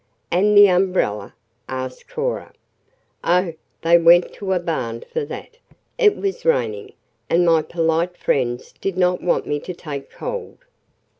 "And the umbrella?" asked Cora. "Oh, they went to a barn for that. It was raining, and my polite friends did not want me to take cold."